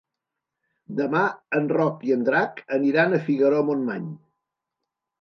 Demà en Roc i en Drac aniran a Figaró-Montmany.